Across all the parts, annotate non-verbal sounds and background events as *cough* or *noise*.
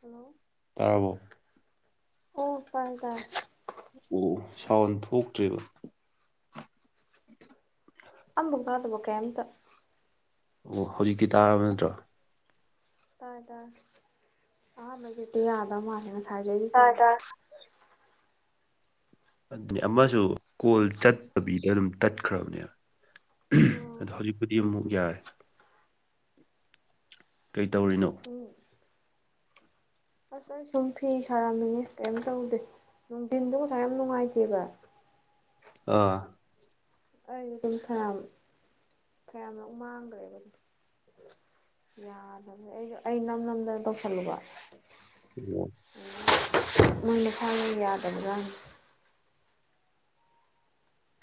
hello ꯇꯥꯔꯕꯣ ꯑꯣ ꯇꯔꯦ ꯇꯔꯦ ꯑꯣ ꯁꯥꯎꯟ ꯊꯣꯛꯇ꯭ꯔꯤꯕ ꯑꯃꯝꯕꯨꯛ ꯇꯗꯕ ꯀꯩꯝꯇ ꯑꯣ ꯍꯧꯖꯤꯛꯇꯤ ꯇꯥꯔꯕ ꯅꯠꯇ꯭ꯔꯣ ꯇꯥꯏ ꯇꯥꯏ ꯑꯍꯥꯟꯕꯖꯤꯛꯇꯤ ꯌꯥꯗꯕ ꯃꯥꯜꯂꯦ ꯉꯁꯥꯏꯖꯗꯤ ꯇꯧ ꯇꯥꯔꯦ ꯇꯥꯔꯦ ꯑꯗꯨꯅꯦ ꯑꯃꯁꯨ ꯀꯣꯜ ꯆꯠꯇꯕꯤꯗ ꯑꯗꯨꯝ ꯇꯠꯈ꯭ꯔꯕꯅꯦꯕ ꯑꯗꯣ ꯍꯧꯖꯤꯛꯄꯨꯗꯤ ꯑꯃꯨꯛ ꯌꯥꯔꯦ ꯀꯩꯇꯧꯔꯤꯅꯣ ꯎꯝ ꯑꯁ ꯑꯩ ꯁꯨꯝ ꯐꯤ ꯁꯥꯔꯝꯃꯤꯅꯦ ꯀꯩꯝ ꯇꯧꯗꯦ ꯅꯨꯡꯊꯤꯟꯗꯣ ꯉꯁꯥꯏ ꯌꯥꯝ ꯅꯨꯡꯉꯥꯏꯇꯦꯕ ꯑꯥ ꯑꯩꯁ ꯑꯗꯨꯝ ꯐꯅꯌꯥꯝ ꯐꯅꯌꯥꯝꯃꯨ ꯃꯥꯡꯈ꯭ꯔꯦꯕ ꯌꯥꯗꯕꯅꯦ ꯑꯩ ꯑꯩ ꯅꯝ ꯅꯝꯗ ꯇꯧꯁꯜꯂꯨꯕ ꯎꯝ ꯃ‌ꯣꯏ ꯃꯁꯥꯅ ꯌꯥꯗꯖꯥꯠꯅꯤ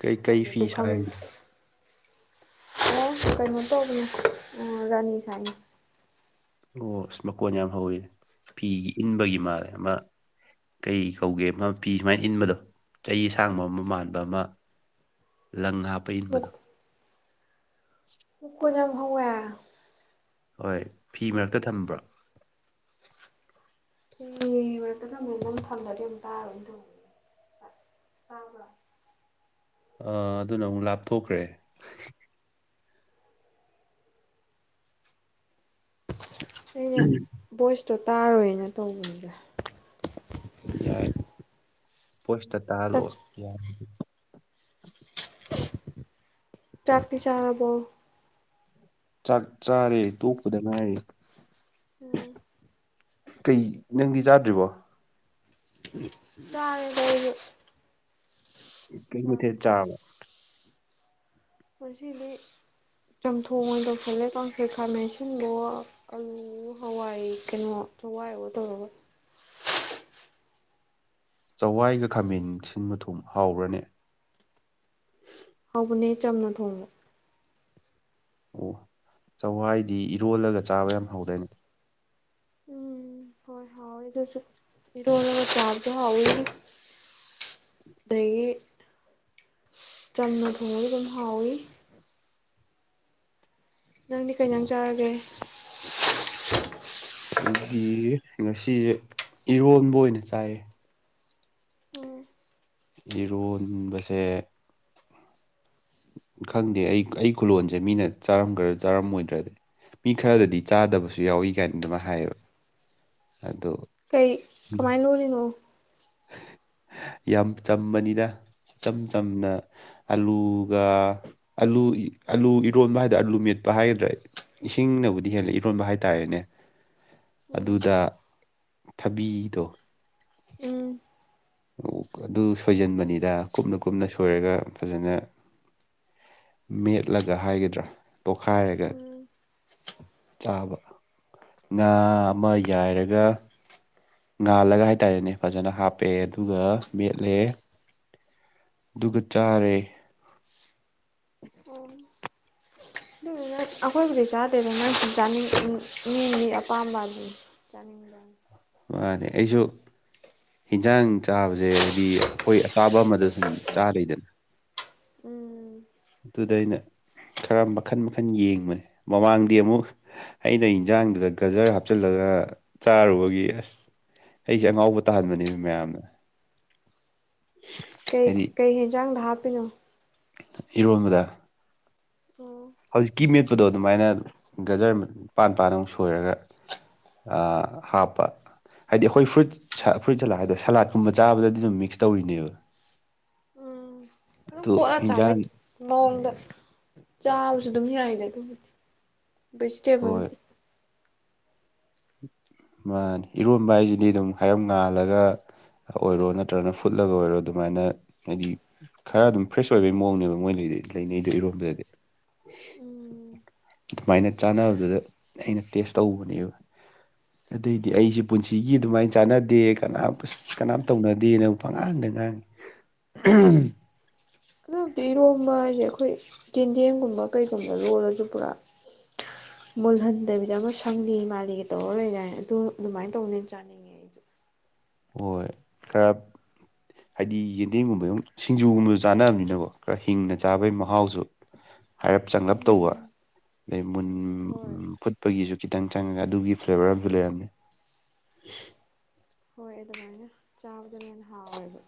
ꯀꯩ ꯀꯩ ꯑꯩꯗꯤ ꯐꯤ ꯑꯗꯨ ꯈꯪꯗꯦ ꯁꯥꯔꯤꯅ‌ꯣ ꯑꯣ ꯀꯩꯅꯣ ꯇꯧꯕꯅꯣ ꯑ ꯔꯥꯅꯤ ꯁꯥꯅꯤ ꯑꯣ ꯑꯁ ꯃꯀꯣꯟ ꯌꯥꯝ ꯍꯧꯋꯤꯅ‌ꯦ ꯐꯤꯒꯤ ꯏꯟꯕꯒꯤ ꯃꯥꯜꯂꯦ ꯑꯃ ꯀꯩ ꯀꯧꯒꯦ ꯑꯃ ꯐꯤ ꯁꯨꯃꯥꯏꯅ ꯏꯟꯕꯗꯣ ꯆꯍꯤ ꯑꯁꯥꯡꯕ ꯑꯃ ꯃꯥꯟꯕ ꯑꯃ ꯂꯪ ꯍꯥꯞꯄ ꯏꯟꯕꯗꯣ *inaudible* ꯃꯈ‌ꯣꯟ ꯌꯥꯝ ꯍꯧꯋꯦ ꯍꯣꯏ ꯐꯤ ꯃꯔꯛꯇ ꯊꯝꯕ꯭ꯔꯣ ꯊꯤ ꯃꯔꯛꯇꯗꯃꯦ ꯅꯝ ꯊꯜꯂꯗꯤ ꯑꯃꯝ ꯇꯥꯔꯅꯤ ꯇꯧ ꯑ ꯑꯗꯨꯅ ꯑꯃꯨꯛ ꯂꯥꯞꯊꯣꯛꯈ꯭ꯔꯦ ꯑꯩꯅ ꯚꯣꯏꯁꯇꯣ ꯇꯥꯔꯣꯏꯅ ꯇꯧꯕꯅꯤꯗ ꯌꯥꯏ ꯕ‌ꯣꯏꯁꯇ ꯇꯥꯍꯜꯂꯣ ꯌꯥ ꯆꯥꯛꯇꯤ ꯆꯥꯔꯕ‌ꯣ ꯆꯥꯛ ꯆꯥꯔꯦ ꯇ‌ꯣꯄꯗ ꯉꯥꯏꯔꯤ ꯎꯝ ꯀꯩ ꯅꯪꯗꯤ ꯆꯥꯗ꯭ꯔꯤꯕꯣ ꯆꯔ‌ꯦꯗ ꯑꯩ ꯖꯨ ꯀꯩ ꯃꯊꯦꯜ ꯆꯥꯔꯕ ꯉꯁꯤꯗꯤ ꯆꯝꯊꯣꯡ ꯑꯣꯏꯅ ꯇꯧ ꯁꯜꯂꯦ ꯀꯥꯡꯁ‌ꯣꯏ ꯈꯥꯔꯃꯦꯟ ꯑꯁꯤꯟꯕꯍꯣ ꯑꯥꯂꯨ ꯍ‌ꯣ ꯍꯋꯥꯏ ꯀꯩꯅꯣ ꯆꯋꯥꯏ ꯑꯣ ꯇꯧꯔꯒ ꯆꯋꯥꯏꯒ ꯈꯥꯃꯦꯟ ꯁꯤꯟꯕ ꯊꯨꯡꯕ ꯍꯥꯎꯕꯔꯅꯦ ꯍꯧꯕꯅꯦ ꯆꯝꯅ ꯊꯣꯡꯕ ꯑꯣ ꯆꯧꯋꯥꯏꯗꯤ ꯏꯔꯣꯜꯂꯒ ꯆꯥꯕ ꯌꯥꯝ ꯍꯥꯎꯗꯥꯏꯅ‌ꯦ ꯎꯝ ꯍꯣꯏ ꯍꯥꯎ ꯑꯗꯨꯁꯨ ꯏꯔ‌ꯣꯝꯕꯒ ꯆꯥꯕꯁꯨ ꯍꯥꯎꯋꯤ ꯑꯗꯒꯤ ꯆꯝꯅ ꯊꯣꯡꯕꯁꯨ ꯑꯗꯨꯝ ꯍꯥꯎꯋꯤ ꯅꯪꯗꯤ ꯀꯩ ꯑꯣ ꯏꯟꯖꯥꯡ ꯆꯥꯔꯒꯦ ꯑꯩꯗꯤ ꯉꯁꯤꯁꯦ ꯏꯔꯣꯟꯕ ꯑꯣꯏꯅ ꯆꯥꯏꯌꯦ ꯎꯝ ꯏꯔꯣꯟꯕꯁꯦ ꯈꯪꯗꯦ ꯑꯩ ꯑꯩ ꯈꯨꯂꯂꯣꯟꯁꯦ ꯃꯤꯅ ꯆꯥꯔꯝꯒꯔ ꯆꯥꯔꯝꯃꯣꯏꯗ꯭ꯔꯗꯤ ꯃꯤ ꯈꯔꯗꯗꯤ ꯆꯥꯗꯕꯁꯨ ꯌꯥꯎꯋꯤ ꯒꯥꯏꯅ ꯗꯨꯃꯥꯏ ꯍꯥꯏꯌꯦꯕ ꯑꯗꯣ ꯀꯩ ꯀꯃꯥꯏꯅ ꯂꯣꯜꯔꯤꯅꯣ ꯌꯥꯝ ꯆꯝꯕꯅꯤꯗ ꯏꯆꯝ ꯆꯝꯅ ꯑꯂꯨꯒ ꯑꯂꯨ ꯑꯂꯨ ꯏꯔꯣꯟꯕ ꯍꯥꯏꯗ ꯑꯥꯂꯨ ꯃꯦꯠꯄ ꯍꯥꯏꯒꯗ꯭ꯔꯥ ꯏꯁꯤꯡꯅꯕꯨꯗꯤ ꯍꯦꯜꯂ ꯏꯔꯣꯟꯕ ꯍꯥꯏꯇꯥꯔꯦꯅꯦ ꯎꯝ ꯑꯗꯨꯗ ꯊꯕꯤꯗꯣ ꯎꯝ ꯑꯗꯨ ꯁꯣꯏꯖꯟꯕꯅꯤꯗ ꯀꯨꯞꯅ ꯀꯨꯞꯅ ꯁꯣꯏꯔꯒ ꯐꯖꯅ ꯃꯦꯠꯂꯒ ꯍꯥꯏꯒꯗ꯭ꯔꯥ ꯇꯣꯈꯥꯏꯔꯒ ꯎꯝ ꯆꯥꯕ ꯉꯥ ꯑꯃ ꯌꯥꯏꯔꯒ ꯉꯥꯜꯂꯒ ꯍꯥꯏꯇꯥꯔꯦꯅꯦ ꯐꯖꯅ ꯍꯥꯞꯄꯦ ꯑꯗꯨꯒ ꯃꯦꯠꯂꯦ ꯑꯗꯨꯒ ꯆꯥꯔꯦ ꯑꯝ ꯗꯨꯗꯨꯅ ꯑꯩꯈꯣꯏꯁꯤꯗ ꯆꯥꯗꯦꯗ ꯅ ꯆꯥꯅꯤꯡ ꯃꯤ ꯃꯤꯒꯤ ꯑꯄꯥꯝꯕ ꯑꯗꯨꯅꯤ ꯆꯅꯤꯡꯕꯔꯥ ꯃꯥꯟꯅꯦ ꯑꯩꯁꯨ ꯍꯤꯟꯖꯥꯡ ꯆꯥꯕꯁꯦ ꯍꯥꯏꯗꯤ ꯑꯩꯈꯣꯏ ꯑꯆꯥꯕ ꯑꯃꯗ ꯁꯨꯝ ꯆꯥꯔꯤꯅ ꯎꯝ ꯑꯗꯨꯗ ꯑꯩꯅ ꯈꯔ ꯃꯈꯟ ꯃꯈꯟ ꯌꯦꯡꯕꯅꯦ ꯃꯃꯥꯡꯗꯤ ꯑꯃꯨꯛ ꯑꯩꯅ ꯏꯟꯖꯥꯡꯗꯨꯗ ꯒꯖꯔ ꯍꯥꯞꯆꯤꯜꯂꯒ ꯆꯥꯔꯨꯕꯒꯤ ꯑꯁ ꯑꯩꯁꯦ ꯑꯉꯥꯎꯕ ꯇꯥꯍꯟꯕꯅꯦ ꯃꯌꯥꯝꯅ ꯀꯩ ꯍꯥꯏꯗꯤ ꯀꯩ ꯌꯦꯦꯟꯖꯥꯡꯗ ꯍꯥꯞꯄꯤꯅꯣ ꯏꯔꯣꯟꯕꯗ ꯑꯣꯣ ꯍꯧꯖꯤꯛꯀꯤ ꯃꯦꯠꯄꯗꯣ ꯑꯗꯨꯃꯥꯏꯅ ꯒꯖꯔꯄꯥꯟ ꯄꯥꯟ ꯑꯃꯨꯛ ꯁꯣꯏꯔꯒ ꯍꯥꯞꯄꯠ ꯍꯥꯏꯗꯤ ꯑꯩꯈꯣꯏ ꯐ꯭ꯔꯨꯏꯠ ꯐꯨꯠ ꯆꯂꯥ ꯍꯥꯏꯗ ꯁꯂꯥꯠꯀꯨꯝꯕ ꯆꯥꯕꯗꯗꯤ ꯑꯗꯨꯝ ꯃꯤꯛꯁ ꯇꯧꯔꯤꯅꯦꯕ ꯎꯝ *unintelligible* ꯑꯗꯨꯝ ꯀꯣꯠꯂ ꯏꯟꯖꯥꯡ ꯆꯥꯕꯩ ꯃꯑꯣꯡꯗ ꯆꯥꯕꯁꯨ ꯑꯗꯨꯝ ꯌꯥꯏꯗ ꯑꯗꯨꯕꯨꯗꯤ ꯕꯦꯖꯤꯇꯦꯕꯜ ꯍꯣꯏ ꯃꯥ ꯏꯔꯣꯟꯕ ꯍꯥꯏꯁꯤꯗꯤ ꯑꯗꯨꯝ ꯍꯥꯏꯔꯞ ꯉꯥꯜꯂꯒ ꯑꯣꯏꯔꯣ ꯅꯠꯇ꯭ꯔꯒꯅ ꯐꯨꯠꯂꯒ ꯑꯣꯏꯔꯣ ꯑꯗꯨꯃꯥꯏꯅ ꯍꯥꯏꯗꯤ ꯈꯔ ꯑꯗꯨꯝ ꯐ꯭ꯔꯦꯁ ꯑꯣꯏꯕꯒꯤ ꯃꯑꯣꯡꯅꯦꯕ ꯃꯣꯏ ꯂꯩꯗꯤ ꯂꯩꯅꯩꯗꯣ ꯏꯔꯣꯝꯕꯗꯗꯤ ꯎꯝ ꯑꯗꯨꯃꯥꯏꯅ ꯆꯥꯟꯅꯕꯗꯨꯗ ꯑꯩꯅ ꯇꯦꯁ ꯇꯧꯕꯅꯦꯕ ꯑꯗꯩꯗꯤ ꯑꯩꯁꯦ ꯄꯨꯟꯁꯤꯒꯤ ꯑꯗꯨꯃꯥꯏꯅ ꯆꯥꯟꯅꯗꯦ ꯀꯅꯥꯝ ꯑꯁ ꯀꯅꯥꯝ ꯇꯧꯅꯗꯦꯅꯕꯨ ꯄꯪꯉꯥꯡꯗ ꯉꯥꯡ ꯑꯗꯤ ꯏꯔꯣꯝꯕ ꯍꯥꯏꯁꯦ ꯑꯩꯈꯣꯏ ꯆꯦꯟꯗꯦꯝꯒꯨꯝꯕ ꯀꯩꯒꯨꯝꯕ ꯂꯣꯜꯂꯁꯨ ꯄꯨꯔꯥ ꯃꯨꯜꯍꯟꯗꯕꯤꯗ ꯑꯃ ꯁꯪꯅꯤ ꯃꯥꯜꯂꯤꯒ ꯇꯧꯔ ꯂꯩꯔꯅ ꯑꯗꯨ ꯑꯗꯨꯃꯥꯏꯅ ꯇꯧꯅꯤ ꯆꯥꯅꯤꯡ ꯍꯣꯏ ꯀꯔ ꯍꯥꯏꯗꯤ ꯌꯦꯟꯗꯦꯝꯒꯨꯝꯕ ꯑꯗꯨ ꯁꯤꯡꯖꯨꯒꯨꯝꯕꯁꯨ ꯆꯥꯅꯅꯕꯅꯤꯅꯀꯣ ꯈꯔ ꯍꯤꯡꯅ ꯆꯥꯕꯒꯤ ꯃꯍꯥꯎꯁꯨ ꯍꯥꯏꯔꯞ ꯆꯉꯂꯞ ꯇꯧꯕ ꯎꯝ ꯑꯗꯩ ꯃꯨꯟ ꯍꯣꯏ ꯐꯨꯠ ꯑꯩꯈꯣꯏꯒꯤꯁꯨ ꯈꯤꯇꯪ ꯆꯪꯉꯒ ꯑꯗꯨꯒꯤ ꯐ꯭ꯂꯦꯕꯔ ꯑꯃꯁꯝꯨ ꯂꯩꯔꯝꯃꯤ ꯍꯣꯏ ꯑꯗꯨꯃꯥꯏꯅ ꯆꯥꯕꯗꯨꯅ ꯍꯦꯟꯅ ꯍꯥꯎꯋꯦꯕ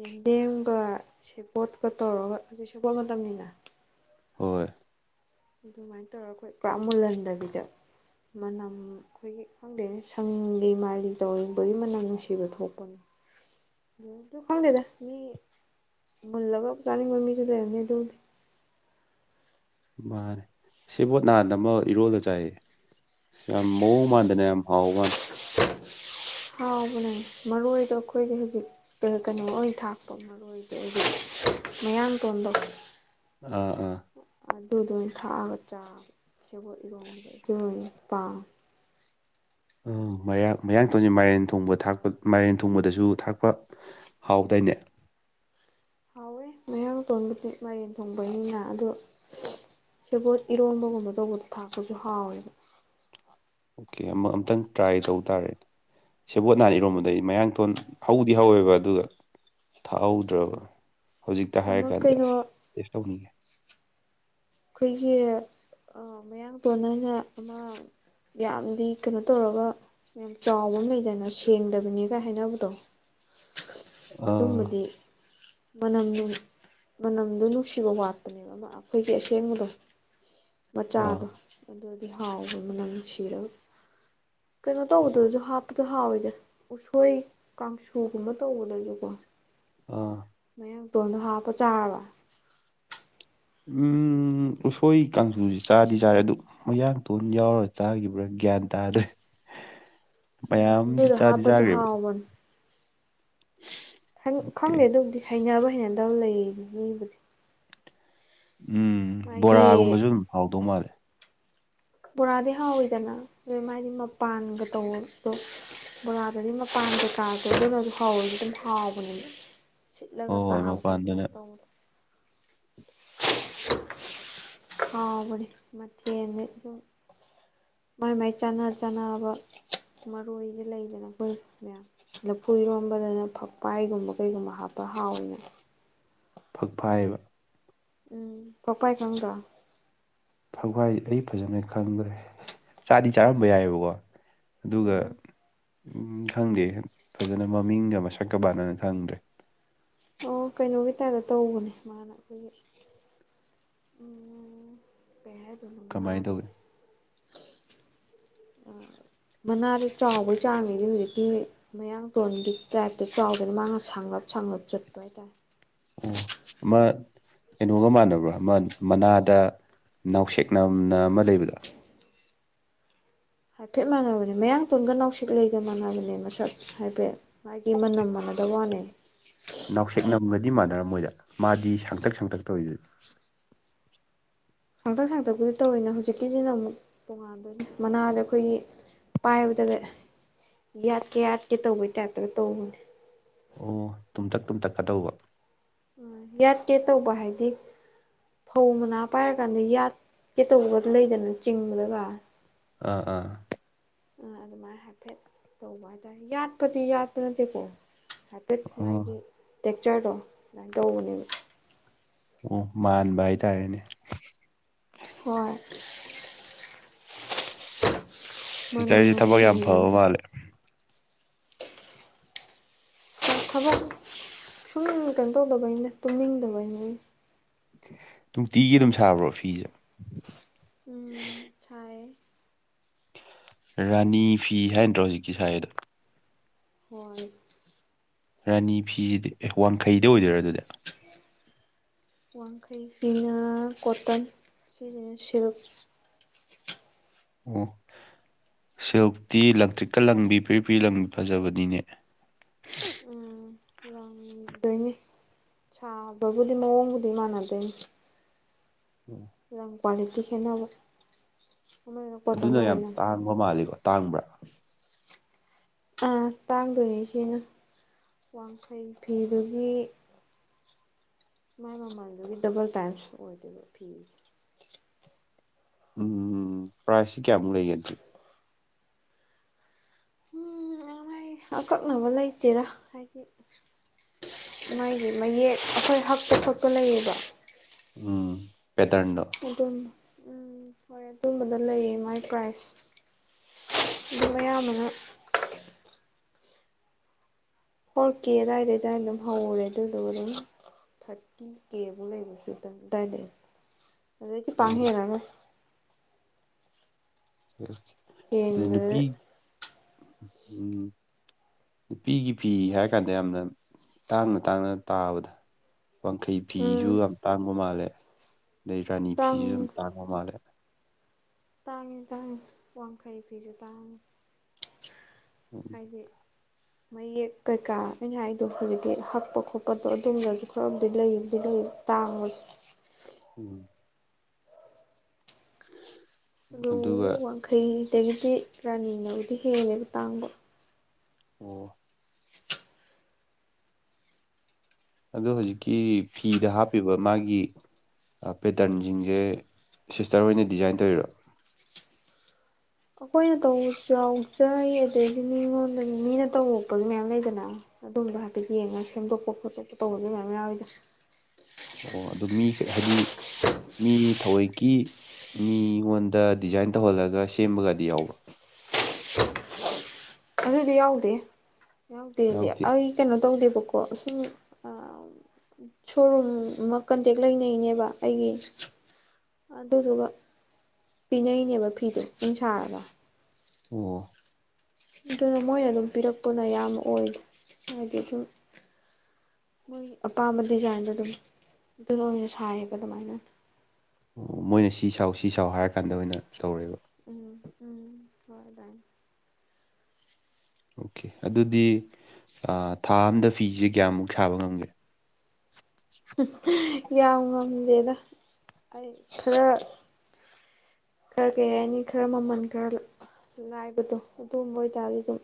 ꯌꯦꯟꯗꯦꯝꯒ ꯁꯦꯄꯣꯠꯀ ꯇꯧꯔꯒ ꯑꯗꯨ ꯁꯦꯄꯣꯠ ꯃꯇꯝꯅꯤꯅ ꯍꯣꯏ ꯑꯗꯨꯃꯥꯏꯅ ꯇꯧꯔꯒ ꯑꯩꯈꯣꯏ ꯄꯨꯔꯥ ꯃꯨꯜꯍꯟꯗꯕꯤꯗ ꯃꯅꯝ ꯑꯩꯈꯣꯏꯒꯤ ꯈꯪꯗꯦꯅꯦ ꯁꯪꯂꯤ ꯃꯥꯜꯂꯤ ꯇꯧꯕꯒꯤ ꯃꯅꯝ ꯅꯨꯡꯁꯤꯕ ꯊꯣꯛꯄꯅꯤ ꯎꯝ ꯑꯗꯨ ꯈꯪꯗꯦꯗ ꯃꯤ ꯃꯨꯜꯂꯒ ꯆꯥꯅꯤꯡꯕ ꯃꯤꯗꯨ ꯂꯩꯔꯝꯅꯤ ꯑꯗꯨꯕꯨꯗꯤ ꯃꯥꯅꯦ ꯁꯤꯕꯣꯠ ꯅꯍꯥꯟ ꯑꯃ ꯏꯔꯣꯜꯂ ꯆꯥꯏꯌꯦ ꯁꯤ ꯌꯥꯝ ꯃꯑꯣꯡ ꯃꯥꯟꯗꯅꯦ ꯌꯥꯝ ꯍꯥꯎ ꯋꯥꯅꯦ ꯍꯥꯎꯕꯅꯦ ꯃꯔꯣꯏꯗꯣ ꯑꯩꯈꯣꯏꯗ ꯍꯧꯖꯤꯛ ꯀꯩꯅꯣ ꯑꯣꯏꯅ ꯊꯥꯛꯄ ꯑꯃ ꯃꯔ ꯑꯣꯏꯗꯤ ꯑꯩꯗꯤ ꯃꯌꯥ ꯇꯣꯟꯗ ꯑꯥ ꯑꯥ ꯑꯗꯨꯗ ꯑꯣꯏꯅ ꯊꯥꯛꯑꯒ ꯆꯥꯕ ꯁꯦꯒꯣꯠ ꯑꯁ ꯏꯔꯣꯟꯝꯕꯗ ꯑꯗꯨ ꯑꯣꯏꯅ ꯄꯥꯝꯃꯦ ꯃꯌꯥ ꯃꯌꯥꯡ ꯇꯧꯅꯤ ꯃꯥꯏꯔꯦꯟ ꯊꯣꯡꯕ ꯊꯥꯛꯄ ꯃꯥꯏꯔꯦꯟ ꯊꯣꯡꯕꯗꯁꯨ ꯊꯥꯛꯄ ꯍꯥꯎꯗꯣꯏꯅꯦ ꯍꯥꯎꯋꯦ ꯃꯌꯥꯡ ꯇꯣꯅꯕꯨꯗꯤ ꯃꯔꯦꯟ ꯊꯣꯡꯕꯩꯅꯤꯅ ꯑꯗꯣ ꯁꯦꯕꯣꯠ ꯏꯔꯣꯟꯕꯒꯨꯝꯕ ꯇꯧꯕꯗꯣ ꯊꯥꯛꯄꯁꯨ ꯍꯥꯎꯋꯦꯕ ꯑꯣꯀꯦ ꯑꯃꯨꯛ ꯑꯝꯇꯪ ꯇ꯭ꯔꯥꯏ ꯇꯧ ꯇꯥꯔꯦ ꯁꯦꯕꯣꯠ ꯍꯥꯟ ꯎꯝ ꯏꯔꯣꯝꯕꯗ ꯑꯩ ꯃꯌꯥꯡꯊꯣꯟ ꯍꯧꯗꯤ ꯍꯧꯋꯦꯕ ꯑꯗꯨꯒ ꯊꯥꯍꯧꯗ꯭ꯔꯕ ꯍꯧꯖꯤꯛꯇ ꯑꯃ ꯍꯥꯏꯔ ꯀꯥꯟꯗ ꯀꯩꯅꯣ ꯇꯦꯁ ꯇꯧꯅꯤꯡꯉꯦ ꯑꯩꯈꯣꯏꯒꯤ ꯃꯌꯥꯡ ꯇꯣꯟ ꯅ ꯑꯃ ꯌꯥꯝꯗꯤ ꯀꯩꯅꯣ ꯇꯧꯔꯒ ꯌꯥꯝ ꯆꯥꯎꯕ ꯑꯃ ꯂꯩꯗꯅ ꯁꯦꯡꯗꯕꯅꯤꯒ ꯍꯥꯏꯅꯕꯗꯣ *unintelligible* ꯑꯥ ꯑꯗꯨꯝꯕꯗꯤ ꯃꯅꯝꯗꯨ ꯃꯅꯝꯗꯣ ꯅꯨꯡꯁꯤꯕ ꯋꯥꯠꯄꯅꯦꯕ ꯑꯃ ꯑꯩꯈꯣꯏꯒꯤ ꯑꯁꯦꯡꯕꯗꯣ ꯑꯥ ꯃꯆꯥꯗꯣ ꯑꯗꯨꯗꯤ ꯍꯥꯎꯕꯅꯦ ꯃꯅꯝ ꯅꯨꯡꯁꯤꯔꯒ ꯀꯩꯅꯣ ꯇꯧꯕꯗꯁꯨ ꯍꯥꯞꯄꯗ ꯍꯥꯎꯋꯤꯗ ꯎꯁꯣꯏ ꯀꯥꯡꯁꯨꯒꯨꯝꯕ ꯇꯧꯕ ꯂꯩꯁꯨꯀꯣ ꯑꯥ ꯃꯌꯥꯡꯇꯣꯟꯝꯗꯣ ꯍꯥꯞꯄ ꯆꯥꯔꯕ ꯎꯝ ꯎꯁꯣꯏ ꯀꯥꯡꯁꯨꯁꯤ ꯆꯥꯗꯤ ꯆꯥꯔꯦ ꯑꯗꯨ ꯃꯌꯥꯡ ꯇꯨꯟ ꯌꯥꯎꯔ ꯆꯥꯈꯤꯕ꯭ꯔꯥ ꯒ꯭ꯌꯥꯟ ꯇꯥꯗ꯭ꯔꯦ ꯎꯝ ꯃꯌꯥꯝꯗꯤ ꯑꯗꯨꯗꯣ ꯆꯥꯗꯤ ꯍꯥꯞꯄꯁꯨ ꯆꯥꯈ꯭ꯔꯦꯕ ꯍꯥꯎꯕꯅꯤ ꯑꯣꯀꯦ ꯈꯪꯗꯦ ꯑꯗꯨꯕꯨꯗꯤ ꯍꯩꯅꯅꯕ ꯍꯩꯅꯗꯕ ꯂꯩ ꯃꯤꯕꯁꯦ ꯎꯝ ꯕꯣꯔꯥꯒꯨꯝꯕꯁꯨ ꯑꯗꯨꯝ ꯍꯥꯎꯗꯧ ꯃꯥꯜꯂꯦ ꯄꯨꯔꯥꯗꯦ ꯍꯥꯥꯎꯣꯏꯗꯅ ꯑꯗꯨꯩ ꯃꯥꯗꯤ ꯃꯄꯥꯟꯒ ꯇꯧꯕꯗ ꯕꯣꯔꯥꯗꯗꯤ ꯃꯄꯥꯟ ꯀꯩꯀꯥꯥꯁ ꯑꯗꯨꯅꯁꯨ ꯍꯥꯎꯋꯦ ꯑꯗꯨꯝ ꯍꯥꯎꯕꯅꯦ *unintelligible* ꯁꯤꯠꯂꯒ ꯍꯣꯏ ꯆꯥꯕ ꯈꯣꯠꯄ ꯃꯄꯥꯟꯗꯅ ꯑꯗꯨꯥꯏꯅ ꯇꯧꯕꯗ *unintelligible* ꯑꯥꯎ ꯃꯊꯅꯤ ꯃꯥꯏ ꯃꯥꯏ ꯆꯥꯟꯅ ꯆꯥꯟꯅꯕ ꯃꯔꯣꯏꯁꯦ ꯂꯩꯗꯅ ꯑꯩꯈꯣꯏ ꯃꯌꯥꯝ ꯂꯐꯨ ꯏꯔꯣꯟꯝꯕꯗꯅ ꯐꯛꯄꯥꯏꯒꯨꯝꯕ ꯀꯩꯒꯨꯝꯕ ꯍꯥꯞꯄ ꯍꯥꯎꯋꯅꯦ ꯐꯛ ꯐꯥꯏꯕ ꯎꯝ ꯀꯣꯛꯄꯥꯏ ꯈꯪꯗ꯭ꯔꯣ ꯊꯋꯥꯏ ꯑꯩ ꯐꯖꯅ ꯈꯪꯗ꯭ꯔꯦ ꯆꯥꯗꯤ ꯆꯥꯔꯝꯕ ꯌꯥꯏꯑꯕꯀꯣ ꯑꯗꯨꯒ ꯎꯝ ꯈꯪꯗꯦ ꯐꯖꯅ ꯃꯃꯤꯡꯒ ꯃꯁꯛꯀ ꯃꯥꯟꯅꯅ ꯈꯪꯗ꯭ꯔꯦ ꯑꯣ ꯀꯩꯅꯣꯒꯤ ꯇꯥꯏꯞꯇ ꯇꯧꯕꯅꯦ ꯃꯥꯅ ꯑꯩꯈꯣꯏꯒꯤ ꯎꯝ ꯀꯩ ꯍꯥꯏꯗꯣꯏꯅꯣ ꯀꯃꯥꯏꯅ ꯃꯅꯥꯁꯦ ꯇꯧꯒꯦ *unintelligible* ꯃꯅꯥꯁꯦ ꯆꯥꯎꯕꯩ ꯆꯥꯡꯃꯤꯗꯤ ꯍꯧꯖꯤꯛꯇꯤ ꯃꯌꯥꯡꯀꯣꯟꯒꯤ ꯇꯥꯏꯞꯇ ꯆꯥꯎꯗꯅ ꯃꯥꯅ ꯁꯥꯡꯂꯞ ꯁꯥꯡꯂꯞ ꯆꯠꯄ ꯍꯥꯏꯇꯥꯔꯦ ꯎ ꯃꯥ ꯀꯩꯅꯣꯒ ꯃꯥꯟꯅꯕ꯭ꯔꯣ ꯃꯃꯟ ꯃꯅꯥꯗ ꯅꯥꯎꯁꯦꯛ ꯅꯝꯅ ꯑꯃ ꯂꯩꯕꯗꯣ ꯍꯥꯏꯐꯦꯠ ꯃꯥꯟꯅꯕꯅꯦ ꯃꯌꯥꯡ ꯇꯨꯒ ꯅꯥꯁꯤꯛ ꯂꯩꯒ ꯃꯥꯟꯅꯕꯅꯦ ꯃꯁꯛ ꯍꯥꯏꯐꯦꯠ ꯃꯥꯒꯤ ꯃꯅꯝ ꯃꯅꯗ ꯋꯥꯅꯦ ꯅꯥꯎꯁꯦꯛ ꯅꯝꯒꯗꯤ ꯃꯥꯟꯅꯔꯝ ꯃꯣꯏꯗ ꯃꯥꯗꯤ ꯁꯥꯡꯇꯛ ꯁꯥꯡꯇꯛ ꯇꯧꯔꯤꯗꯨꯗꯤ ꯁꯥꯡꯇꯛ ꯁꯥꯡꯇꯛꯄꯨꯗꯤ ꯇꯧꯔꯤꯦꯅ ꯍꯧꯖꯤꯛꯀꯤꯁꯤꯅ ꯑꯃꯨꯛ ꯇꯣꯉꯥꯟꯗꯣꯏꯅꯤ ꯃꯅꯥꯗ ꯑꯩꯈꯣꯏꯒꯤ ꯄꯥꯏꯕꯗꯒ ꯌꯥꯠꯀꯦ ꯌꯥꯠꯀꯦ ꯇꯧꯕꯩ ꯇꯥꯏꯞꯇꯒ ꯇꯧꯕꯅꯦ ꯑꯣ ꯇꯨꯝꯇꯛ ꯇꯨꯝꯇꯛꯀꯗꯧꯕ ꯎ ꯌꯥꯠꯀꯦ ꯇꯧꯕ ꯍꯥꯏꯗꯤ ꯐꯧ ꯃꯅꯥ ꯄꯥꯏꯔꯀꯥꯟꯗ ꯌꯥꯠꯀꯦ ꯇꯧꯕ ꯂꯩꯗꯅ ꯆꯤꯡꯕꯗꯒ ꯑꯥ ꯑꯥ ꯑꯗꯨꯃꯥꯏꯅ ꯍꯥꯏꯐꯦꯠ ꯇꯧꯕ ꯍꯥꯏꯇꯥꯔꯦ ꯌꯥꯠꯄꯗꯤ ꯌꯥꯠꯄ ꯅꯠꯇꯦꯀꯣ ꯍꯥꯏꯐꯦꯠ ꯑꯣ ꯃꯥꯒꯤ ꯇꯦꯛꯆꯔꯗꯣ ꯑꯗꯨꯃꯥꯏꯅ ꯇꯧꯕꯅꯦꯕ ꯑꯣ ꯃꯥꯟꯕ ꯍꯥꯏꯇꯥꯔꯦꯅꯦ ꯍꯣꯏ ꯃꯅꯝ ꯍꯤꯁꯇꯔꯤꯁ ꯊꯕꯛ ꯌꯥꯝ ꯅꯨꯡꯁꯤꯕꯅꯤ ꯐꯕ ꯃꯥꯜꯂꯦ ꯊꯕꯛ ꯁꯨꯝ ꯀꯩꯅꯣ ꯇꯧꯗꯕꯩꯅꯦ ꯇꯨꯝꯅꯤꯡꯗꯕꯩꯅꯦ ꯅꯨꯡꯇꯤꯒꯤ ꯑꯗꯨꯝ ꯁꯥꯕ꯭ꯔꯣ ꯐꯤꯁꯦ ꯎꯝ ꯁꯑ ꯔꯥꯅꯤ ꯐꯤ ꯍꯥꯏꯅꯗ꯭ꯔꯣ ꯍꯧꯖꯤꯛꯀꯤ ꯁꯥꯏ ꯑꯗꯣ ꯍꯣꯏ ꯔꯥꯅꯤ ꯐꯤꯁꯤꯗꯤ ꯋꯥꯡꯈꯩꯗ ꯑꯣꯏꯗꯣꯏꯔ ꯑꯗꯨꯗ ꯋꯥꯡꯈꯩꯁꯤꯅ ꯀꯣꯇꯟ ꯁꯤꯁꯤꯅ ꯁꯤꯜꯛ ꯑꯣ ꯁꯤꯜꯨꯛꯇꯤ ꯏꯂꯦꯛꯇ꯭ꯔꯤꯛꯀ ꯂꯪꯕꯤ ꯄ꯭ꯤꯔꯤ ꯄꯤꯔꯤ ꯂꯪꯕꯤ ꯐꯖꯕꯅꯤꯅꯦ ꯎꯝ ꯌꯥꯝꯗꯣꯏꯅꯤ ꯁꯥꯕꯕꯨꯗꯤ ꯃꯑꯣꯡꯕꯨꯗꯤ ꯃꯥꯟꯅꯗꯣꯏꯅꯤ ꯎꯝ ꯔꯪ ꯀ꯭ꯋꯥꯂꯤꯇꯤ ꯀꯅꯕ ꯑꯗꯨꯅ ꯌꯥꯝ ꯇꯥꯡꯕ ꯃꯥꯜꯂꯤꯀꯣ ꯇꯥꯡꯕ꯭ꯔꯥ ꯇꯥꯡꯗꯣꯏꯅꯤꯁꯤꯅ ꯋꯥꯡꯈꯩ ꯐꯤꯗꯨꯒꯤ ꯃꯥꯏ ꯃꯃꯜꯗꯨꯒꯤ ꯗꯕꯜ ꯇꯥꯏꯝꯁ ꯑꯣꯏꯗꯣꯏꯕ ꯐꯤꯦ ꯎꯝ ꯄ꯭ꯔꯥꯏꯖꯁꯤ ꯀꯌꯥꯃꯨꯛ ꯂꯩꯒꯦ ꯑꯗꯨꯗꯤ ꯎꯉꯥꯏ ꯑꯀꯛꯅꯕ ꯂꯩꯇꯦꯔ ꯍꯥꯏꯗꯤ ꯃꯥꯒꯤ ꯃꯌꯦꯛ ꯑꯩꯈꯣꯏ ꯍꯛꯇ ꯊꯣꯛꯠꯄ ꯂꯩꯌꯦꯕ ꯎꯝ ꯄꯦꯇꯔꯟꯗꯣ ꯑꯗꯨꯝ ꯎ ꯎꯝ ꯍꯣꯏ ꯑꯗꯨꯝꯕꯗ ꯂꯩꯌꯦ ꯃꯥꯏ ꯄ꯭ꯔꯥꯏꯖ ꯑꯗꯨ ꯑꯌꯥꯝꯕꯅ ꯍꯣꯔꯀꯦ ꯑꯗꯨꯋꯥꯏꯗ ꯑꯗꯨꯗꯥꯋꯥꯏꯗ ꯑꯗꯨꯝ ꯍꯧꯔꯦ ꯑꯗꯨꯗꯨꯒ ꯑꯗꯨꯝ ꯊꯥꯔꯇꯤ ꯀꯦꯕꯨꯨꯛ ꯂꯩꯕꯁꯨꯗꯥꯏꯗ ꯑꯗꯩꯗꯤ ꯄꯥꯡ ꯑꯣꯀꯦ ꯍꯦꯜꯟꯅꯔꯣꯏ ꯑ ꯍꯦꯟꯕꯗ ꯅꯨꯄꯤ ꯎꯝ ꯅꯨꯄꯤꯒꯤ ꯐꯤ ꯍꯥꯏꯔ ꯀꯥꯟꯗ ꯌꯥꯝꯅ ꯇꯥꯡꯅ ꯇꯥꯡꯅ ꯇꯥꯕꯗ ꯋꯥꯡꯈꯩ ꯎꯝ ꯐꯤꯁꯨ ꯌꯥꯝ ꯇꯥꯡꯕ ꯃꯥꯜꯂꯦ ꯑꯗꯩ ꯔꯥꯅꯤ ꯇꯥꯡ ꯐꯤꯁꯨ ꯌꯥꯝ ꯇꯥꯡꯕ ꯃꯥꯜꯂꯦ ꯇꯥꯡꯉꯤ ꯇꯥꯡꯉꯤ ꯋꯥꯡꯈꯩ ꯐꯤꯁꯨ ꯇꯥꯡꯉꯤ ꯎꯝ ꯍꯥꯏꯗꯤ ꯃꯌꯦꯛ ꯀꯩꯀꯥ ꯑꯩꯅ ꯍꯥꯏꯗꯣ ꯍꯧꯖꯤꯛꯇꯤ ꯍꯛꯄ ꯈꯣꯠꯄꯗꯣ ꯑꯗꯨꯝꯝꯕꯁꯨ ꯈꯔꯕꯨꯗꯤ ꯂꯩꯕꯨꯗꯤ ꯂꯩ ꯇꯥꯃꯁ ꯎꯝ ꯑꯗꯨꯒ ꯃꯈꯩꯗꯒꯤꯗꯤ ꯔꯥꯅꯤꯡꯕꯨꯗꯤ ꯍꯦꯜꯂꯦꯕ ꯇꯥꯡꯕ ꯑꯣ ꯑꯗꯣ ꯍꯧꯖꯤꯛꯀꯤ ꯐꯤꯗ ꯍꯥꯞꯄꯤꯕ ꯃꯥꯒꯤ ꯄꯦꯇꯔꯟꯁꯤꯡꯁꯦ ꯁꯤꯁꯇꯔ ꯑꯣꯏꯅ ꯗꯤꯖꯥꯏꯟ ꯇꯧꯔꯣ ꯑꯩꯈꯣꯏꯅ ꯇꯧꯕꯁꯨ ꯆꯥꯎꯖꯩ ꯑꯗꯩꯗꯤ ꯃꯤꯉꯣꯟꯗꯒꯤ ꯃꯤꯅ ꯇꯧꯔꯄꯁꯨ ꯃꯌꯥꯝ ꯂꯩꯗꯅ ꯑꯗꯨꯝꯕ ꯍꯥꯏꯐꯦꯠ ꯌꯦꯡꯉꯒ ꯁꯦꯝꯗꯣꯛꯄ ꯈꯣꯠꯇꯣꯛꯄ ꯇꯧꯕꯗꯨ ꯃꯌꯥꯝ ꯌꯥꯎꯋꯤꯗ ꯑꯣ ꯑꯗꯨꯗꯣ ꯃꯤ ꯍꯥꯏꯗꯤ ꯃꯤ ꯊꯑꯣꯏꯀꯤ ꯃꯤꯉꯣꯟꯗ ꯗꯤꯖꯥꯏꯟ ꯇꯧꯍꯜꯂꯒ ꯁꯦꯝꯕꯒꯗꯤ ꯌꯥꯎꯔꯣ ꯑꯗꯨꯗꯤ ꯌꯥꯎꯗꯦ ꯌꯥꯎꯗꯦꯗꯤ ꯌꯥꯎꯗꯦ ꯑꯩ ꯀꯩꯅꯣ ꯇꯧꯗꯦꯕꯀꯣ ꯁꯨꯝ ꯁꯣꯔꯨꯝ ꯑꯃ ꯀꯟꯇꯦꯛ ꯂꯩꯅꯩꯅꯦꯕ ꯑꯩꯒꯤ ꯑꯗꯨꯗꯨꯒ ꯄꯤꯅꯩꯅꯦꯕ ꯐꯤꯗꯨꯣ ꯎꯟ ꯁꯥꯔꯒ ꯑꯣ ꯑꯗꯨꯅ ꯃꯣꯏꯅ ꯑꯗꯨꯝ ꯄꯤꯔꯛꯄꯅ ꯌꯥꯝ ꯑꯣꯏ ꯍꯥꯏꯗꯤ ꯑꯗꯨꯨꯝ ꯃꯣꯏꯒꯤ ꯑꯄꯥꯝꯕ ꯗꯤꯖꯥꯏꯟꯗꯣ ꯑꯗꯨꯝ ꯑꯗꯨ ꯑꯣꯏꯅ ꯁꯥꯏꯌꯦꯕ ꯑꯗꯨꯃꯥꯏꯅ ꯑꯣ ꯃꯣꯏꯅ ꯁꯤ ꯁꯥꯎ ꯁꯤ ꯁꯥꯎ ꯍꯥꯏꯔꯀꯥꯟꯗ ꯑꯣꯏꯅ ꯇꯧꯔꯦꯕ ꯎꯝ ꯎꯝ ꯍꯣꯏ ꯇꯥꯏ ꯑꯣꯀꯦ ꯑꯗꯨꯗꯤ ꯊꯥ ꯑꯝꯗ ꯐꯤꯁꯦ ꯀꯌꯥꯃꯨꯛ ꯁꯥꯕ ꯉꯝꯒꯦ ꯌꯥꯝ ꯉꯝꯗꯦꯗ ꯑꯩ ꯈꯔ ꯈꯔ ꯀꯩ ꯍꯥꯏꯅꯤ ꯈꯔ ꯃꯃꯜ ꯈꯔ ꯂꯥꯏꯕꯗꯣ ꯑꯗꯨꯝꯕ ꯑꯣꯏꯇꯥꯔꯗꯤ ꯑꯗꯨꯝ